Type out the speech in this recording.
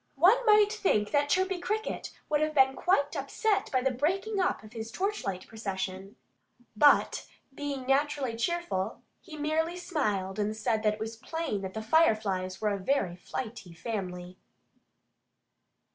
One might think that Chirpy Cricket would have been quite upset by the breaking up of his torchlight procession. But being naturally cheerful, he merely smiled and said that it was plain that the Fireflies were a very flighty family.